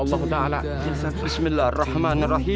allah adalah tuhan ku